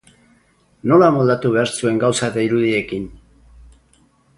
Nola moldatu behar zuen gauza eta irudiekin?